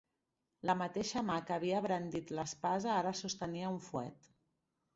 La mateixa mà que havia brandit l'espasa ara sostenia un fuet.